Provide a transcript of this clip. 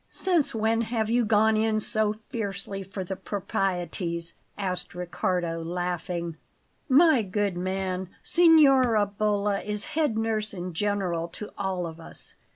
"Since when have you gone in so fiercely for the proprieties?" asked Riccardo, laughing. "My good man, Signora Bolla is head nurse in general to all of us.